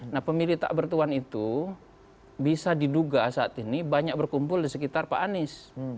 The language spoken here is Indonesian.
nah pemilih tak bertuan itu bisa diduga saat ini banyak berkumpul di sekitar pak anies